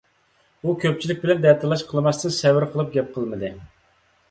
ئۇ كۆپچىلىك بىلەن دەتالاش قىلماستىن سەۋر قىلىپ گەپ قىلمىدى.